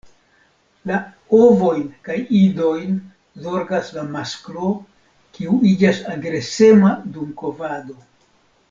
La ovojn kaj idojn zorgas la masklo, kiu iĝas agresema dum kovado.